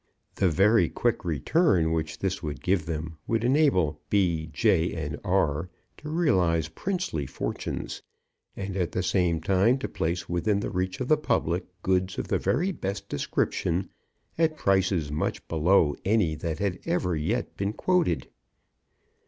The very quick return which this would give them, would enable B. J. and R. to realize princely fortunes, and at the same time to place within the reach of the public goods of the very best description at prices much below any that had ever yet been quoted."